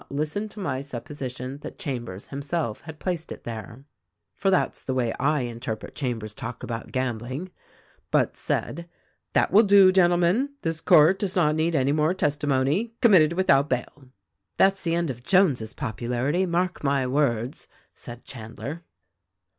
listen to my supposition that Chambers himself had placed it there, (for that's the way I interpret Chambers' talk about gamb ling) but said, 'That will do, gentlemen. This court does not need any more testimony. Committed without bail.' " "That's the end of Jones' popularity, mark my words !" said Chandler.